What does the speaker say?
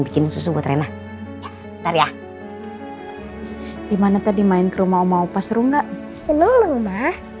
gitu rena bentar ya